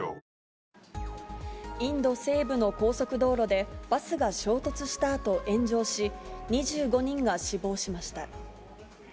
インド西部の高速道路で、バスが衝突したあと炎上し、２５人が死亡しました。